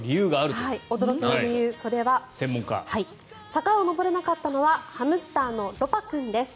坂を上れなかったのはハムスターのロパくんです。